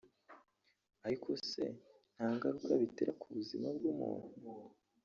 ariko se ntangaruka bitera ku buzima bw’umuntu